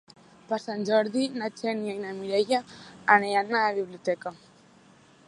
Per Sant Jordi na Xènia i na Mireia aniran a la biblioteca.